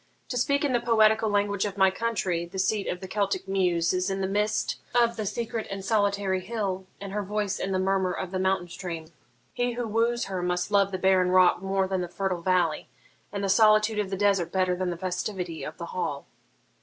To speak in the poetical language of my country, the seat of the Celtic Muse is in the mist of the secret and solitary hill, and her voice in the murmur of the mountain stream. He who woos her must love the barren rock more than the fertile valley, and the solitude of the desert better than the festivity of the hall.'